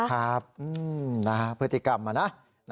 ครับพฤติกรรมอะนะ